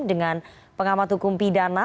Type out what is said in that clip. dengan pengamat hukum pidana